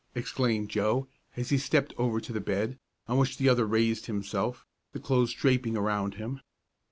exclaimed Joe, as he stepped over to the bed, on which the other raised himself, the clothes draping around him.